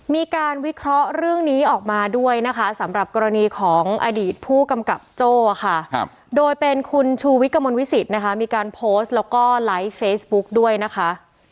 มีการวิเคราะห์เรื่องนี้ออกมาด้วยนะคะสำหรับกรณีของอดีตผู้กำกับโจ้ค่ะโดยเป็นคุณชูวิทย์กระมวลวิสิตนะคะมีการโพสต์แล้วก็ไลฟ์เฟซบุ๊กด้วยนะคะ